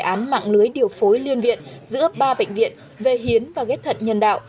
dự án mạng lưới điều phối liên viện giữa ba bệnh viện về hiến và ghép thận nhân đạo